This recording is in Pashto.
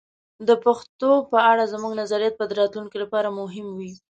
د پښتو په اړه زموږ نظریات به د راتلونکي لپاره مهم وي.